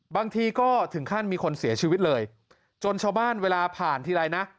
บางทีก็ถึงขั้นมีคนเสียชีวิตเลยจนชาวบ้านเวลาผ่านทีไรนะ